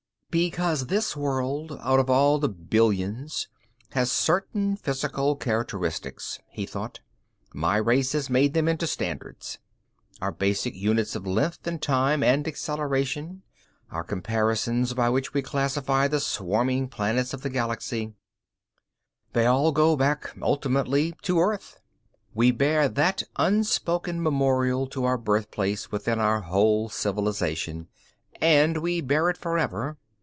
Because this world, out of all the billions, has certain physical characteristics, he thought, _my race has made them into standards. Our basic units of length and time and acceleration, our comparisons by which we classify the swarming planets of the Galaxy, they all go back ultimately to Earth. We bear that unspoken memorial to our birthplace within our whole civilization, and will bear it forever.